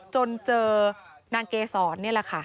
จนเจอนางเกษรนี่แหละค่ะ